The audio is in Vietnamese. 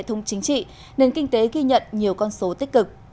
thống chính trị nền kinh tế ghi nhận nhiều con số tích cực